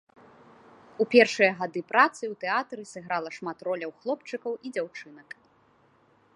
У першыя гады працы ў тэатры сыграла шмат роляў хлопчыкаў і дзяўчынак.